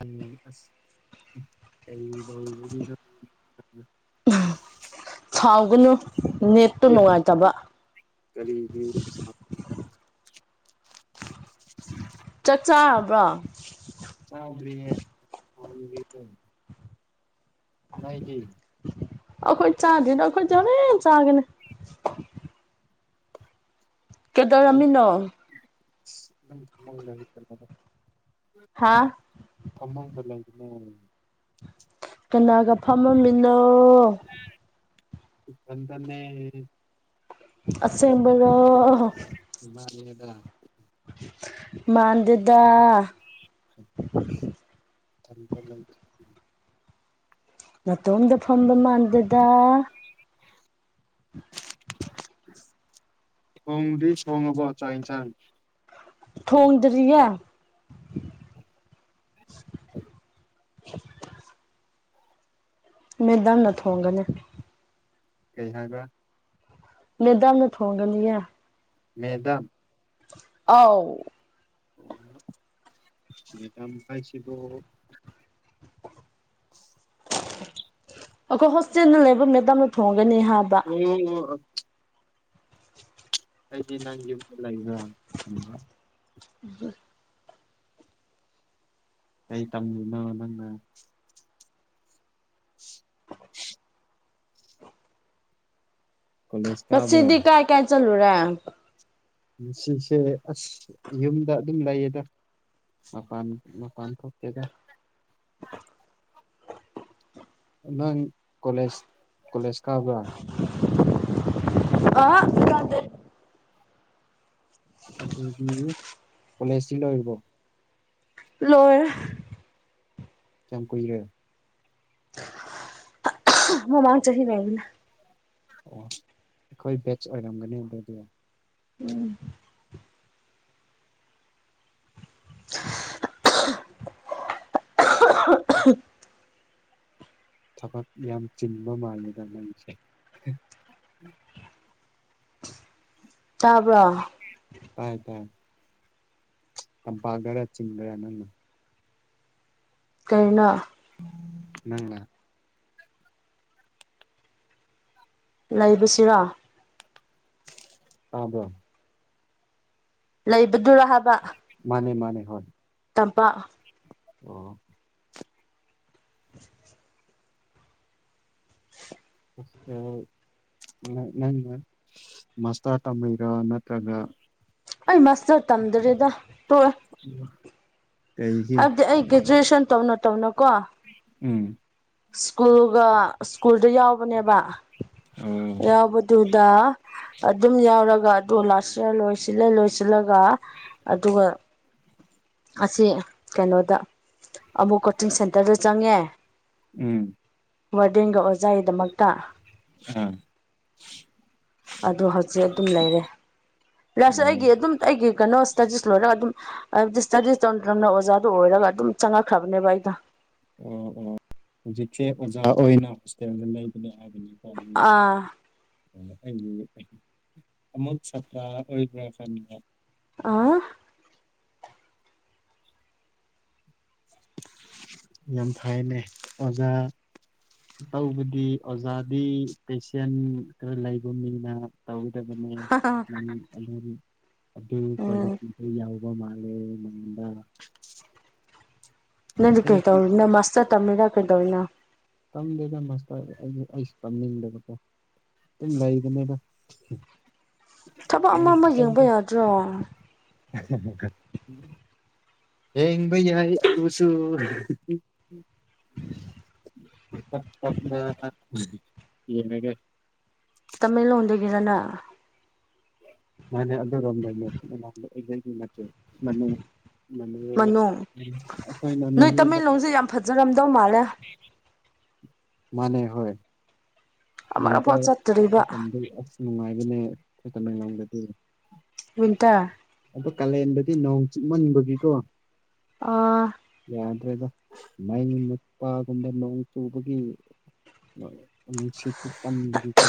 ꯎꯝ ꯑꯁ ꯀꯩꯗꯧꯅꯔꯤꯅꯣ ꯁꯥꯎꯒꯅꯨ ꯅꯦꯠꯇꯣ ꯑꯦ ꯅꯨꯡꯉꯥꯏꯇꯕ ꯀꯔꯤꯒꯤ ꯁꯥ ꯆꯥꯛ ꯆꯥꯔꯕ꯭ꯔꯣ ꯆꯗ꯭ꯔꯤꯌꯦ ꯅꯗꯤ ꯑꯩꯈꯣꯏ ꯆꯥꯗ꯭ꯔꯤꯅ ꯑꯩꯈꯣꯏꯗꯤ ꯍꯣꯔꯦꯟ ꯆꯥꯒꯅꯦ ꯀꯩꯗꯧꯔꯝꯃꯤꯅꯣ ꯎ [unintelligible] ꯍꯥꯥ ꯐꯃꯨꯡꯗ ꯂꯩꯕꯅꯦ ꯀꯅꯥꯒ ꯐꯝꯃꯃꯤꯅꯣ ꯏꯊꯟꯗꯟꯅꯦ ꯑꯁꯦꯡꯕꯩꯔꯣ ꯏ ꯃꯥꯅꯤꯗ ꯃꯥꯟꯗꯦꯗ ꯊꯟꯗ ꯂꯩ ꯅꯥꯇꯣꯝꯗ ꯐꯝꯕ ꯃꯥꯟꯗꯗ [inaudible] ꯁꯣꯡꯗꯤ ꯁꯕ ꯆꯁ ꯊꯣꯡꯗꯔꯤꯌꯦ ꯎ ꯃꯗ ꯅ ꯊꯣꯡꯒꯅꯦ ꯀꯩ ꯍꯥꯏꯒ ꯃꯦꯗꯥꯅ ꯊꯣꯡꯒꯅꯤ ꯍꯥꯏ ꯃꯦꯗꯥꯝ ꯑꯥꯎ ꯑꯣ ꯃꯦꯗꯥꯝ ꯄꯥꯏꯁꯤꯔꯣ ꯑꯩꯈꯣꯏ ꯍꯣꯁꯇꯦꯜꯅ ꯂꯩꯕ ꯃꯦꯗꯥꯝꯅ ꯊꯣꯡꯉꯒꯅꯤ ꯍꯥꯏꯕ ꯑꯣ ꯑꯣ ꯑꯣ ꯑꯩꯗꯤ ꯅꯪ ꯌꯨꯝꯗ ꯂꯩꯕ꯭ꯔꯥ ꯈꯟꯕ ꯎꯝ ꯀꯩ ꯇꯝꯂꯤꯅꯣ ꯅꯪꯅ [inaudible] ꯀꯣꯂꯦꯖ ꯀꯥꯕ꯭ꯔꯥ ꯁꯤꯗꯤ ꯀꯥꯏ ꯀꯥꯏ ꯆꯂꯨꯨꯔꯦ ꯁꯤꯁꯦ ꯑꯁ ꯌꯨꯝꯗ ꯑꯗꯨꯝ ꯂꯩꯌꯦꯗ ꯃꯄꯥꯟ ꯃꯄꯥꯟ ꯊꯣꯛꯇꯦꯗ ꯅꯪ ꯀꯣꯂꯦꯖ ꯀꯣꯂꯦꯖ ꯀꯥꯕ꯭ꯔꯥ ꯑ ꯑꯗꯨꯗꯤ ꯀꯣꯂꯦꯖꯁꯤ ꯂꯣꯏꯔꯤꯕꯣ ꯂꯣꯏ ꯆꯝ ꯀꯨꯏꯔꯦ ꯃꯃꯥꯡ ꯆ ꯆꯍꯤ ꯀꯕꯤꯅ ꯑꯣ ꯑꯩꯈꯣꯏ ꯕꯦꯆ ꯑꯣꯏꯔꯝꯒꯅꯤ ꯑꯗꯨ ꯊꯕꯛ ꯌꯥꯝ ꯆꯤꯟꯕ ꯃꯥꯜꯂꯦꯗ ꯃꯩꯁꯦ ꯆꯥꯕ꯭ꯔꯥ ꯇꯥꯏ ꯇꯥꯏ ꯄꯒꯔ ꯆꯒꯔꯅꯅ ꯀꯔꯅ ꯪ [inaudible] ꯂꯩꯕꯁꯤꯔꯣ ꯑꯥꯕꯣ ꯂꯩꯕꯗꯨꯔ ꯍꯥꯏꯕ ꯃꯥꯅꯦ ꯃꯥꯅꯦ ꯍꯣꯏ ꯇꯝꯄꯥꯛ ꯑꯣ [unintelligible] ꯍꯣꯁꯇꯦꯜ ꯅꯪ ꯅꯪꯪꯅ ꯃꯥꯁꯇꯥꯔ ꯇꯝꯔꯤꯔꯥ ꯅꯠꯇ꯭ꯔꯒ ꯑꯩ ꯃꯥꯁꯇꯔ ꯇꯝꯗꯔꯦꯗ ꯇꯣꯛꯑꯦ [inaudible] ꯀꯩꯒꯤ ꯍꯥꯏꯕꯗꯤ ꯑꯩ ꯒꯦꯖꯨꯋꯦꯁꯟ ꯇꯧꯅ -ꯇꯧꯅ ꯀꯣ ꯎꯝ ꯁ꯭ꯀꯨꯜꯒ ꯁ꯭ꯀꯨꯜꯗ ꯌꯥꯎꯕꯅꯦꯕ ꯑꯣ ꯌꯥꯎꯕꯗꯨ ꯗ ꯑꯗꯨꯝ ꯌꯥꯎꯔꯒ ꯑꯗꯨ ꯂꯥꯁ ꯌꯤꯑꯔ ꯂꯣꯏꯁꯤꯜꯂꯦ ꯂꯣꯏꯁꯤꯜꯂꯒ ꯑꯗꯨꯒ ꯑꯁꯤ ꯀꯩꯅꯣꯗ ꯑꯃꯨꯛ ꯀꯣꯆꯤꯡ ꯁꯦꯟꯇꯔꯗ ꯆꯪꯉꯦ ꯎꯝ ꯋꯥꯔꯗꯦꯟꯒ ꯑꯣꯖꯥꯏꯗꯃꯛꯇ ꯎꯝ [unintelligible] ꯑꯗꯣ ꯍꯧꯖꯤꯛ ꯑꯗꯨꯝ ꯂꯩꯔꯦ ꯂꯥꯁ ꯑꯣ ꯑꯩꯒꯤ ꯑꯗꯨꯝ ꯑꯩꯒꯤ ꯀꯩꯅꯣ ꯁ꯭ꯇꯗꯤꯁ ꯂꯣꯏꯔꯒ ꯑꯗꯨꯝ ꯍꯥꯏꯕꯗꯤ ꯁ꯭ꯇꯗꯤꯁ ꯇꯧꯅ ꯇꯝꯅ ꯑꯣꯖꯥꯗꯣ ꯑꯣꯏꯔꯒ ꯑꯗꯨꯝ ꯆꯪꯉꯛꯈ꯭ꯔꯕꯅꯦꯕ ꯑꯩꯗꯣ ꯑꯣ ꯑꯣ ꯍꯧꯖꯤꯛꯁꯦ ꯑꯣꯖꯥ ꯑꯣꯏꯅ ꯍꯣꯁꯇꯦꯜꯗ ꯂꯩꯕꯅꯦ ꯍꯥꯏꯕꯅꯤ ꯑꯥ ꯑꯣ ꯑꯩꯒꯤ [inaudible] ꯑꯃꯨꯠ ꯁꯥꯇ꯭ꯔ ꯑꯣꯏꯕ꯭ꯔꯥ ꯈꯟꯕ ꯑꯥ ꯌꯥꯝ ꯐꯥꯏꯅꯦ ꯑꯣꯖꯥ ꯇꯧꯕꯗꯤ ꯑꯣꯖꯥꯗꯤ ꯄꯦꯁꯦꯟ ꯈꯔ ꯂꯩꯕ ꯃꯤꯅ ꯇꯒꯗꯕꯅꯦ [unintelligible] [inaudible] ꯑꯗꯨ ꯎꯝ ꯀ꯭ꯋꯥꯂꯤꯇꯤꯗꯨ ꯌꯥꯎ ꯕ ꯃꯥꯜꯂꯦ ꯅꯥꯉꯣꯟꯗ ꯅꯪꯗꯤ ꯀꯩꯔꯤ ꯇꯧꯔꯤꯕꯅꯣ ꯃꯁꯇꯔ ꯇꯝꯔꯤꯔ ꯀꯩꯗꯧꯔꯤꯅꯣ ꯇꯝꯗꯦꯗ ꯃꯥꯁꯇꯔ ꯑꯩ - ꯑꯩꯁ ꯇꯝꯅꯤꯡꯗꯕꯀꯣ ꯗꯨꯝ ꯂꯩꯕꯅꯦꯗ [unintelligible] ꯊꯕꯛ ꯑꯃ ꯀꯩꯁꯨ ꯑꯃ ꯌꯦꯡꯕ ꯇꯧꯗꯦ ꯌꯥꯗ꯭ꯔꯣ [unintelligible] ꯌꯦꯡꯕ ꯌꯥꯏ ꯑꯗꯨꯁꯨ [unintelligible] [unintelligible] [inaudible] ꯌꯦꯡꯔꯒꯦ ꯇꯃꯦꯡꯂꯣꯡꯗꯒꯤꯔ ꯅꯪ ꯃꯥꯅꯦ ꯑꯗꯨꯔꯣꯝ ꯗꯩꯅꯦ [unintelligible] [inaudible] ꯅꯠꯇꯦ ꯃꯅꯨꯡ ꯃꯅꯦ [unintelligible] ꯃꯅꯨꯡ ꯑꯩꯈꯣꯏꯅ ꯅꯣꯏ ꯃꯅꯨꯡꯗ [inaudible] ꯇꯃꯦꯡꯂꯣꯡꯁꯦ ꯌꯥꯝ ꯐꯖꯔꯝꯗꯧ ꯃꯥꯜꯂꯦ ꯃꯥꯟꯅꯦ ꯍꯣꯏ ꯑꯃꯔꯛꯐꯥꯎ ꯋꯤꯟꯇꯔ ꯆꯠꯇ꯭ꯔꯤꯕ ꯃꯇꯝꯗꯤ ꯑꯁ ꯅꯨꯡꯉꯥꯏꯕꯅꯦ ꯑꯈꯣꯏ ꯇꯃꯦꯡꯂꯣꯡꯗꯗꯤ ꯋꯤꯟꯇꯔ ꯑꯗꯣ ꯀꯥꯂꯦꯟꯗꯗꯤ ꯅꯣꯡ ꯆꯨꯃꯟꯕꯒꯤꯀꯣ ꯑꯥ ꯌꯥ ꯐ꯭ꯔꯦꯗ ꯃꯩ ꯃꯨꯠꯄꯒꯨꯝꯕ ꯅꯣꯡ ꯆꯨꯕꯒꯤ ꯃ -ꯅꯨꯡꯁꯤꯠ ꯄꯨꯛꯀꯟꯕꯒꯤꯀꯣ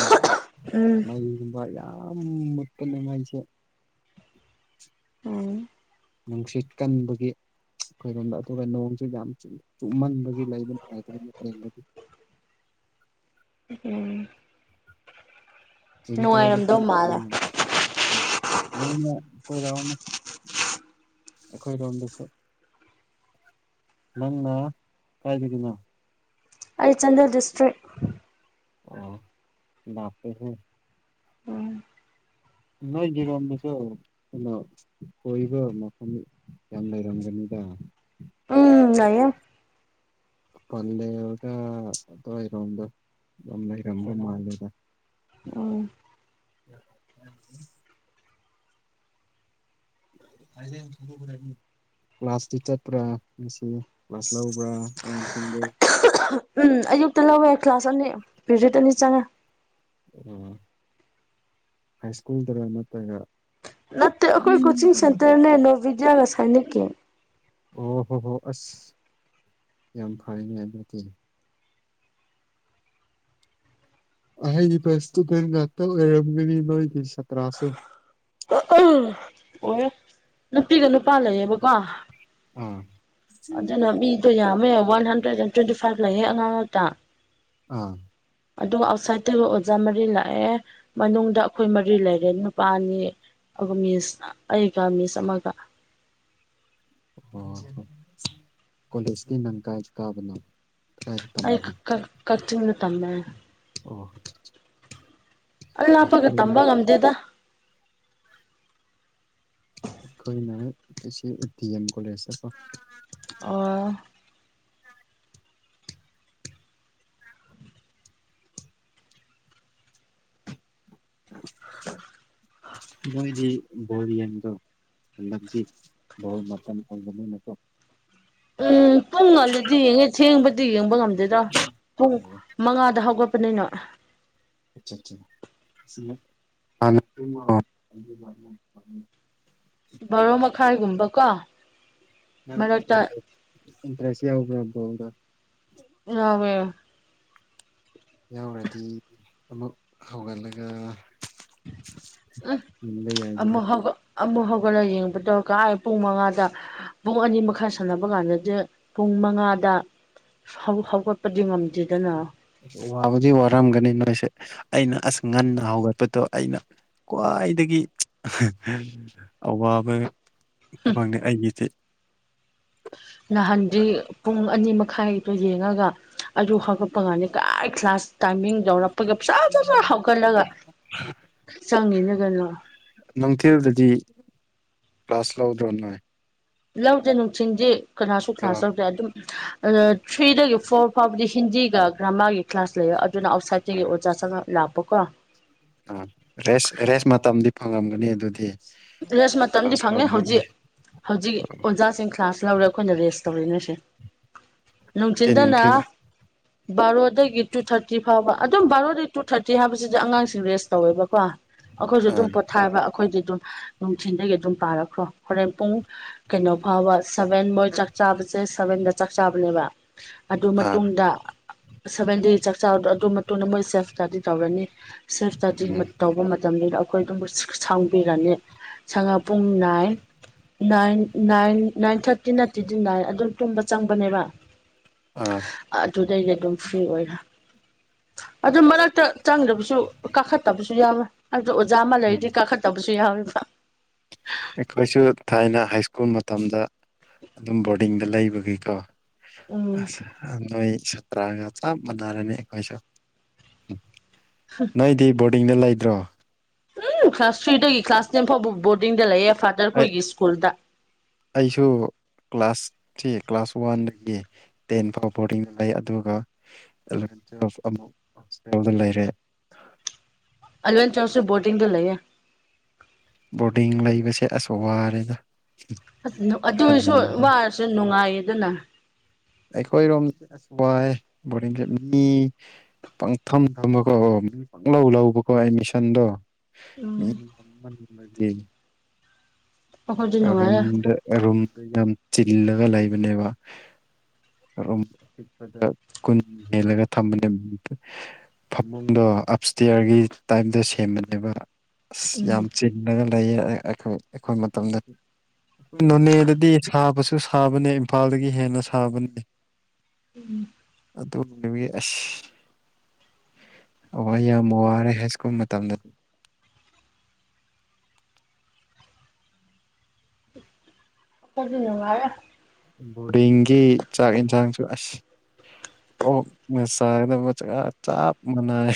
ꯎꯝ ꯃꯩꯒꯨꯝꯕ ꯌꯥꯝ ꯃꯨꯠꯄ ꯅꯨꯡꯉꯥꯏꯖꯦ ꯍꯥꯎ ꯅꯨꯡꯁꯤꯠ ꯀꯟꯕꯒꯤ [unintelligible] ꯑꯈꯣꯏꯔꯣꯝꯗ ꯑꯗꯨꯒ ꯅꯣꯡꯁꯨ ꯌꯥꯝ ꯆꯨ ꯆꯨꯝꯃꯟꯕꯒꯤ ꯂꯩꯕ ꯅꯨꯡꯉꯥꯏꯇꯕ [inaudible] ꯗꯒꯤ ꯎꯝꯍꯝ ꯅꯨꯡꯉꯥꯏꯔꯝꯗꯧ ꯃꯥꯜꯂꯦ ꯍꯣꯏ ꯅꯣꯡꯃ ꯀꯣꯏꯔꯛꯑꯣꯅꯦ ꯑꯈꯣꯏ ꯔꯣꯝꯗꯁꯨ ꯅꯪꯅ ꯀꯥꯏꯗꯒꯤꯅꯣ ꯑꯩ ꯆꯥꯟꯗꯦꯜ ꯗꯤꯁꯇ꯭ꯔꯤꯛ [unintelligible] ꯎꯝ ꯅꯣꯏꯒꯤ ꯏꯔꯣꯝꯕꯗꯣ [unintelligible] ꯌꯥꯝ ꯂꯩꯔꯝꯒꯅꯤꯗ ꯎꯝ ꯌꯥꯏꯌꯦ ꯄꯜꯂꯦꯒ ꯅꯣꯢ ꯔꯣꯝꯗ ꯂꯩꯔꯝꯕ ꯃꯥꯜꯂꯦꯗ ꯎꯝ [inaudible] [unintelligible] ꯀ꯭ꯂꯥꯁꯇꯤ ꯆꯠꯄ꯭ꯔꯥ ꯉꯁꯤ ꯀ꯭ꯂꯥꯁ ꯂꯧꯕ꯭ꯔꯥ ꯑꯉꯥꯡꯁꯤꯡꯗꯨ ꯎꯝ ꯑꯌꯨꯛꯇ ꯂꯧꯋꯦ ꯀ꯭ꯂꯥꯁ ꯑꯅꯤ ꯄꯤꯔꯤꯠ ꯑꯅꯤ ꯆꯪꯉꯦ ꯍꯥꯏ ꯁ꯭ꯀꯨꯜꯗꯔ ꯅꯠꯇ꯭ꯔꯒ ꯅꯠꯇꯦ ꯑꯩꯈꯣꯏ ꯀꯣꯆꯤꯡ ꯁꯦꯟꯇꯔꯅꯦ ꯅꯣ ꯕꯤꯗ꯭ꯌꯥꯒ ꯁꯥꯏꯅꯤꯛꯀꯤ ꯑꯣ ꯍꯣ ꯍꯣꯏ ꯑꯁ ꯌꯥꯝ ꯐꯔꯦꯅꯦ ꯑꯗꯨꯗꯤ ꯑꯍꯩꯒꯤ ꯕꯦꯁ ꯏꯁꯇꯨꯗꯦꯟ ꯉꯥꯛꯇ ꯑꯣꯏꯔꯝꯒꯅꯤ ꯅꯣꯏꯒꯤ ꯁꯥꯇ꯭ꯔꯁꯨ ꯑꯣ ꯅꯨꯄꯤꯒ ꯅꯨꯄꯥ ꯂꯩꯌꯦꯕꯀꯣ ꯎꯝ ꯑꯗꯨꯅ ꯃꯤꯗꯣ ꯌꯥꯝꯃꯦ one hundred and twenty five ꯂꯩꯌꯦ ꯑꯉꯥꯡ ꯉꯇ ꯑꯥ ꯑꯗꯨꯒ ꯑꯥꯎꯠꯁꯥꯏꯗꯠꯇꯒ ꯑꯣꯖꯥ ꯃꯔꯤ ꯂꯥꯛꯑꯦ ꯃꯅꯨꯡꯗ ꯑꯩꯈꯣꯏ ꯃꯔꯤ ꯂꯩꯔꯦ ꯅꯨꯄꯥꯅꯤ ꯑꯗꯨꯒ ꯃꯤꯁ ꯑꯩꯒ ꯃꯤꯁ ꯑꯃꯒ ꯑꯣ ꯍꯣꯏ ꯀꯣꯂꯦꯖꯀꯤ ꯅꯪ ꯀꯥꯏ ꯀꯥꯕꯅꯣ ꯀꯗꯥꯏꯗ ꯑꯩ ꯇꯝꯕꯅꯣ ꯀ ꯀꯆꯤꯡꯗ ꯇꯝꯃꯦ ꯑꯣ ꯑꯜ ꯂꯄꯒ ꯑꯩꯈꯣꯏ ꯇꯝꯕꯒ ꯉꯝꯗꯦꯗ ꯈꯣꯏꯅꯦ [unintelligible] ꯗꯦ ꯑꯦꯝ ꯀꯣꯂꯦꯖꯇꯀꯣ ꯑꯣ ꯃꯣꯏꯗꯤ ꯕꯣꯔꯤꯌꯟꯗꯣ [unintelligible] ꯃꯇꯝ ꯐꯪꯗꯕꯅꯤꯅꯀꯣ ꯎꯝ ꯄꯨꯡꯉꯜꯗꯗꯤ ꯌꯦꯡꯉꯦ ꯊꯦꯡꯕ ꯑꯗꯨꯗꯤ ꯌꯦꯡꯕ ꯉꯝꯗꯦꯗꯣ ꯄꯨꯡ ꯑꯣ ꯃꯉꯥꯗ ꯍꯧꯒꯠꯄꯅꯤꯅꯣ ꯑꯆꯥ ꯑꯆꯥ ꯕꯔꯣ ꯃꯈꯥꯏꯒꯨꯝꯕ ꯀꯣ ꯅ ꯏꯟ ꯃꯔꯛꯇ ꯏꯟꯇ꯭ꯔꯦꯁ ꯌꯥꯎꯕꯔ ꯔꯣꯜꯗ ꯌꯥꯎꯌꯦ ꯌꯥꯎꯔꯗꯤ ꯑꯃꯨꯛ ꯍꯧꯒꯠꯂꯒ ꯎꯝ ꯌꯦꯡꯕ ꯌꯥꯏꯗꯅ ꯑꯃꯨꯛ ꯍꯧꯒ ꯑꯃꯨꯛ ꯍꯧꯒꯠꯂ ꯌꯦꯡꯕ ꯇꯧꯔꯀ ꯑꯩ ꯄꯨꯡ ꯃꯉꯥꯗ ꯄꯨꯡ ꯑꯅꯤ ꯃꯈꯥꯏ ꯁꯥꯟꯅꯕ ꯀꯥꯟꯗꯗꯤ ꯄꯨꯡ ꯃꯉꯥꯗ ꯍ ꯍꯧꯒꯠꯄꯗꯤ ꯉꯝꯗꯦꯗꯅ ꯑ ꯋꯥꯕꯨꯗꯤ ꯋꯥꯔꯝꯒꯅꯤ ꯅꯣꯏꯁꯦ ꯑꯩꯅ ꯑꯁ ꯉꯟꯅ ꯍꯧꯒꯠꯄꯗꯣ ꯑꯩꯅ ꯈ꯭ꯋꯥꯏꯗꯒꯤ ꯑꯋꯥꯕ ꯊꯕꯛꯅꯤ ꯑꯩꯒꯤꯗꯤ ꯅꯍꯥꯟꯗ ꯄꯨꯡ ꯑꯅꯤ ꯃꯈꯥꯏꯗꯣ ꯌꯦꯡꯉꯒ ꯑꯗꯨ ꯍꯥꯀꯠꯄ ꯀꯥꯟꯅꯤ ꯀꯗꯥꯥꯏ ꯀ꯭ꯂꯥꯁ ꯇꯥꯏꯃꯤꯡ ꯇꯧꯔ ꯄꯒ [unintelligible] ꯍꯥꯎꯀꯠꯂꯒ ꯆꯪꯉꯤꯅ ꯀꯩꯅꯣ ꯅꯨꯡꯊꯤꯜꯗꯗꯤ ꯀ꯭ꯂꯥꯁ ꯂꯧꯗ꯭ꯔꯣ ꯅꯣꯏ ꯂꯧꯗ꯭ꯔꯦ ꯅꯨꯡꯊꯤꯟꯗꯤ ꯀꯅꯥꯁꯨ ꯀꯅꯥ ꯑꯥ ꯂꯧꯗ꯭ꯔꯦ ꯑꯗꯨꯝ ꯊ꯭ꯔꯤꯗꯒꯤ ꯐꯣꯔ ꯐꯥꯎꯕꯗꯤ ꯍꯤꯟꯗꯤꯒ ꯒ꯭ꯔꯥꯃꯥꯒꯤ ꯀ꯭ꯂꯥꯁ ꯂꯩ ꯑꯗꯨꯨꯅ ꯑꯥꯎꯁꯥꯏꯗꯇ ꯑꯥ ꯑꯣꯖꯥ ꯁ ꯂꯥꯛꯄ ꯀꯣ ꯑ ꯔꯦꯁ ꯔꯦꯁ ꯃꯇꯝꯗꯤ ꯐꯪꯉꯝꯒꯅꯤ ꯑꯗꯨꯗꯤ ꯔꯦꯁ ꯃꯇꯝꯗꯤ ꯀ꯭ꯂꯥꯁ ꯐꯪꯉꯦ ꯂꯧꯗ꯭ꯔꯗꯤ ꯍꯧꯖꯤꯛ ꯍꯧꯖꯤꯛ ꯑꯣꯖꯥꯁꯤꯡ ꯀ꯭ꯂꯥꯁ ꯂꯧꯔꯦ ꯑꯩꯈꯣꯏꯅ ꯔꯦꯁ ꯇꯧꯔꯛ ꯅꯣꯏꯁꯦ ꯇꯤ ꯅꯨꯡꯊꯤꯟꯗꯅ ꯅꯨꯡꯊꯤꯜ [unintelligible] ꯕꯥꯔꯣꯗꯒꯤ ꯇꯨ ꯊꯥꯔꯇꯤ ꯐꯥꯎꯕ ꯑꯗꯨꯝ ꯕꯥꯔꯣꯗꯒꯤ ꯇꯨ ꯊꯥꯔꯇꯤ ꯍꯥꯏꯕꯁꯤꯗꯤ ꯑꯉꯥꯡꯁꯤꯡ ꯔꯦꯁ ꯇꯧꯋꯦꯕꯀꯣ ꯑꯩꯈꯣꯏꯁꯨ ꯑꯗꯨꯝ ꯑꯥ ꯄꯣꯊꯥꯕ ꯑꯩꯈꯣꯏꯗꯤ ꯑꯗꯨꯝ ꯅꯨꯡꯊꯤꯟꯜꯗꯒꯤ ꯑꯗꯨꯝ ꯄꯥꯔꯛꯈ꯭ꯔꯣ ꯍꯣꯔꯦꯟ ꯄꯨꯡ ꯀꯩꯅꯣ ꯐꯥꯎꯕ ꯁꯚꯦꯟ ꯃꯣꯏ ꯆꯥꯛ ꯆꯥꯕꯁꯦ ꯁꯚꯦꯟꯗ ꯆꯥꯛ ꯆꯥꯕꯅꯦꯕ ꯑꯗꯨ ꯑꯥ ꯃꯇꯨꯡꯗ ꯁꯚꯦꯟ ꯗꯦ ꯆꯥꯛꯆꯥꯔꯗꯣ ꯑꯗꯨ ꯃꯇꯨꯡꯗ ꯃꯣꯏ ꯁꯦꯐꯇꯗꯤ ꯇꯧꯔꯅꯤ ꯁꯦꯜꯐ ꯏꯁꯇꯗꯤ ꯎꯝ ꯇꯧꯕ ꯃꯇꯝꯗ ꯑꯩꯈꯣꯏ ꯑꯗꯨꯝꯕꯨ ꯁꯥꯡꯕꯤꯔꯅꯤ ꯁꯉ ꯄꯨꯡ ꯅꯥꯏ ꯅꯥꯏꯟ ꯅꯥꯏꯟ ꯅꯥꯏꯟ ꯊꯥꯔꯇꯤ ꯅꯠꯇꯦꯗꯤ ꯅꯥꯏꯟ ꯑꯗꯨꯝ ꯇꯨꯝꯕ ꯆꯪꯕꯅꯦꯕ ꯎ ꯑꯗꯨꯗꯩꯗꯤ ꯑꯗꯨꯝ ꯐ꯭ꯔꯤ ꯑꯣꯏꯔꯦ ꯑꯗꯨ ꯃꯔꯛꯇ ꯆꯪꯗꯕꯁꯨ ꯀꯥꯈꯠꯇꯕꯁꯨ ꯌꯥꯎꯋꯦ ꯑꯗꯨꯗ ꯑꯣꯖꯥ ꯑꯃ ꯎꯝ ꯂꯩꯔꯗꯤ ꯀꯥꯈꯠꯇꯕꯁꯨ ꯌꯥꯎꯋꯦꯕ ꯑꯩꯈꯣꯏꯁꯨ ꯊꯥꯏꯅ ꯍꯥꯏ ꯁ꯭ꯀꯨꯜ ꯃꯇꯝꯗ ꯑꯗꯨꯝ ꯕꯣꯔꯗꯤꯡꯗ ꯂꯩꯕꯒꯤꯀꯣ ꯎꯝ ꯅꯣꯏ ꯁꯇꯒꯁ ꯃꯔꯅꯤ ꯑꯩꯣꯏꯁ ꯍꯝ ꯅꯪꯗꯤ ꯕꯣꯔꯗꯤꯡꯗ ꯂꯩꯗ꯭ꯔꯣ ꯎꯝ ꯀ꯭ꯂꯥꯁ ꯊ꯭ꯔꯤꯗꯒꯤ ꯀ꯭ꯂꯥꯁ ꯇꯦꯟ ꯐꯥꯎꯕ ꯕꯣꯔꯗꯤꯡꯗ ꯂꯩꯑꯦ ꯑꯩ ꯐꯥꯗꯔꯈꯣꯏꯒꯤ ꯁ꯭ꯀꯨꯜꯗ ꯑꯩꯁꯨ ꯀ꯭ꯂꯥꯁꯁꯤ ꯀ꯭ꯂꯥꯁ ꯋꯥꯟꯗꯒꯤ ꯇꯦꯟ ꯐꯥꯎꯕ ꯕꯣꯔꯗꯤꯡꯗ ꯂꯩ ꯑꯗꯨꯒꯂꯚꯦꯟ ꯇꯨꯋ ꯑꯃꯨꯛ ꯂꯩꯔꯦ ꯑꯂꯦꯟ ꯆꯥꯎꯁꯦ ꯣꯇꯤꯡ ꯇ ꯂꯩꯦ ꯕꯣꯔꯗꯤꯡ ꯂꯩꯕꯁꯦ ꯑꯁꯨ ꯋꯥꯔꯦꯗ ꯑꯗꯨꯁꯨ ꯈꯟꯕꯗ ꯋꯥꯔꯁꯨ ꯅꯨꯡꯉꯥꯏ ꯑꯗꯨꯅ ꯑꯩꯈꯣꯏꯔꯣꯝꯁꯦ ꯑꯁ ꯋꯥꯏ ꯕꯣꯗꯤꯡꯁꯦ ꯃꯤ ꯄꯪꯊꯝ ꯊꯝꯕꯀꯣ ꯑꯣ ꯄꯪ ꯂꯧꯧ ꯂꯧꯕꯀꯣ ꯑꯦꯠꯃꯤꯁꯟꯗꯣ ꯎꯝ ꯑꯩꯈꯣꯏꯗꯤ ꯃꯤꯔ ꯅꯨꯡꯉꯥꯏꯔꯦ ꯔꯨꯝꯗꯩꯅꯝ ꯆꯤꯜꯂꯒ ꯂꯩꯕꯅꯦꯕ ꯤꯄꯗ ꯀꯨꯟ ꯍꯦꯜꯂꯒ ꯊꯝꯕꯅꯦ ꯐꯃꯨꯡꯗꯣ ꯑꯞ ꯏꯁꯇꯤꯌꯥꯔꯒꯤ ꯇꯥꯏꯞꯇ ꯁꯦꯝꯃꯅꯦꯕ ꯑ ꯎꯝ ꯌꯥꯝ ꯆꯤꯉꯒ ꯂꯩꯌꯦ ꯑꯩꯈꯣꯏ ꯃꯇꯝꯗꯗꯤ ꯅꯣꯅꯦꯗꯗꯤ ꯁꯥꯕꯁꯨ ꯁꯥꯕꯅꯦ ꯏꯝꯐꯥꯜꯗꯒꯤ ꯍꯦꯟꯅ ꯁꯥꯕꯅꯤ ꯑꯗꯨ ꯅꯨ ꯑꯁ ꯑꯣ ꯑꯩ ꯌꯥꯝ ꯋꯥꯔꯦ ꯍꯥꯏ ꯁ꯭ꯀꯨꯜ ꯃꯇꯝꯗꯗꯤ ꯀꯅꯉ ꯕꯣꯔꯗꯤꯡꯒꯤ ꯆꯥꯛ ꯌꯦꯟꯁꯥꯡꯁꯨ ꯑꯁ ꯑꯣ ꯃꯁ ꯃ ꯆꯥꯞ ꯃꯅꯥꯏ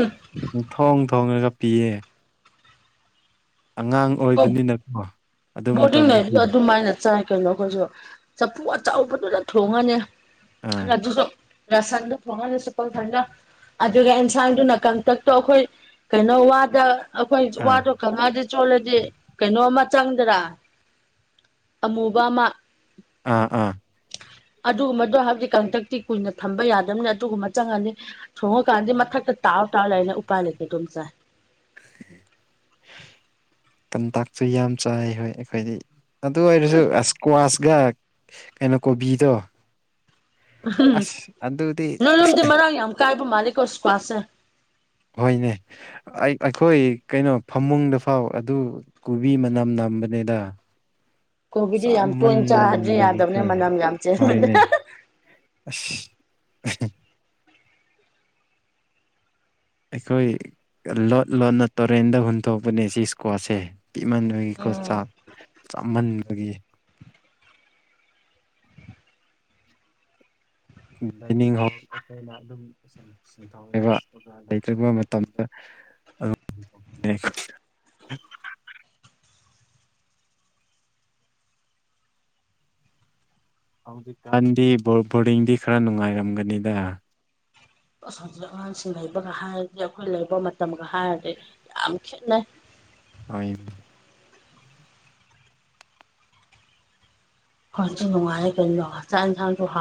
ꯎꯝ ꯊꯣꯡ ꯊꯣꯡꯉꯒ ꯄꯤꯌꯦ ꯑꯉꯥꯡ ꯑꯩꯣꯏ ꯑꯣꯏꯕꯅꯤꯅꯀꯣ ꯑꯗꯨ ꯕꯣꯔꯗꯤꯡ ꯃꯇꯝꯗꯗꯤ ꯂꯩꯔꯁꯨ ꯑꯗꯨꯃꯥꯏꯅ ꯆꯥꯏ ꯀꯩꯅꯣ ꯑꯩꯈꯣꯏꯁꯨ ꯆꯐꯨ ꯑꯆꯕꯗꯨꯗ ꯊꯣꯡꯉꯅꯤ ꯑꯥ ꯑꯗꯨꯁꯨ ꯂꯁꯟꯗ ꯊꯣ ꯁꯄꯜ ꯐꯟꯖꯥ ꯑꯗꯨꯒ ꯑꯦꯟꯁꯥꯡꯗꯨꯅ ꯀꯥꯡꯇꯛꯇꯣ ꯑꯩꯈꯣꯏ ꯀꯩꯅꯣ ꯋꯥꯗ ꯑꯩꯈꯣꯏ ꯑꯥ ꯋꯥꯗꯣꯗꯤꯦ ꯆꯣꯂ ꯀꯩꯅꯣ ꯑꯃ ꯆꯪꯗꯔꯥ ꯑꯃꯨꯕ ꯑꯃ ꯑꯥ ꯑꯥ ꯑꯗꯨꯒꯨꯝꯕꯗꯣ ꯍꯥꯏꯕꯗꯤ ꯀꯥꯡꯇꯛꯇꯤ ꯀꯨꯏꯅ ꯊꯝꯕ ꯌꯥꯗꯕꯅꯤ ꯑꯗꯨꯒꯨꯝꯕ ꯆꯪꯉꯅꯤ ꯊꯣꯡ ꯀꯥꯟꯦ ꯃꯊꯛ ꯇꯥꯎ ꯇꯥꯎ ꯂꯩꯅ ꯎꯄꯥꯥꯏ ꯂꯩꯇꯦ ꯇꯨꯝꯆꯥ ꯇꯟꯇꯥꯛꯁꯨ ꯌꯥꯝ ꯆꯥꯏ ꯍꯣꯏ ꯑꯩꯈꯣꯏꯗꯤ ꯑꯗꯨ ꯑꯣꯏꯔꯁꯨ ꯑꯁꯀ꯭ꯋꯥꯁꯒ ꯀꯩꯅꯣ ꯀꯣꯕꯤꯗꯣ ꯑꯁ ꯑꯗ ꯎꯗꯤ ꯀꯥꯏ ꯃꯥꯔꯤ ꯀꯁꯨꯄꯥꯁꯦ ꯍꯣꯏꯅꯦ ꯑꯩꯈꯣꯏ ꯀꯩꯅꯣ ꯐꯃꯨꯡꯗ ꯐꯥꯎ ꯑꯗꯨ ꯀꯣꯕꯤ ꯃꯅꯝ ꯅꯝꯕꯅꯦꯗ ꯀꯣꯕꯤꯗꯤ ꯌꯥꯝ ꯇꯣꯏꯅ ꯆꯥꯗ꯭ꯔꯤ ꯌꯥꯗꯕꯅꯦ ꯆꯃꯟꯕꯒꯤꯈꯣꯏ ꯃꯅꯝ ꯌꯥꯝ ꯆꯦꯟꯕꯅꯦ ꯍꯣꯏꯅꯦ ꯑ ꯑꯩꯈꯣꯏ ꯂꯣꯠ ꯂꯣꯠꯅ ꯇꯨꯔꯦꯟꯗ ꯍꯨꯟꯊꯣꯛꯄꯅꯦ ꯁꯤ ꯏꯁꯀ꯭ꯋꯥꯁꯁꯦ ꯄꯤꯃꯟꯕꯒꯤꯀꯣꯠ ꯎꯝ ꯆꯥꯛ ꯆꯥꯝꯃꯟꯕꯒꯤ ꯗꯥꯥꯏꯅꯤꯡ ꯍꯣꯜ ꯑꯗꯨꯝ ꯊ ꯂꯩꯕ ꯂꯩꯇ꯭ꯕ ꯃꯇꯝꯗ ꯍꯧꯖꯤꯛꯀꯥꯟꯗꯤ ꯕꯣꯔꯗꯤꯡꯗꯤ ꯈꯔ ꯅꯨꯡꯉꯥꯏꯔꯝꯒꯅꯤꯗ ꯍꯧꯖꯤꯛ ꯑꯉꯥꯡꯁꯤꯡ ꯂꯩꯕꯒ ꯍꯥꯏꯔꯗꯤ ꯑꯩꯈꯣꯏ ꯂꯩꯕ ꯃꯇꯝꯒ ꯍꯥꯏꯔꯗꯤ ꯌꯥꯝ ꯈꯦꯠꯅꯩ ꯍ ꯈꯣꯟꯣꯏꯁꯨ ꯅꯨꯡꯉꯥꯏꯦ ꯀꯩꯅꯣ ꯆꯥꯛ ꯏꯟꯁꯥꯡꯁꯨ ꯍꯥ